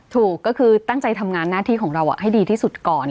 ถูกก็คือตั้งใจทำงานหน้าที่ของเราให้ดีที่สุดก่อน